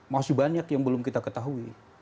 masih banyak yang belum kita ketahui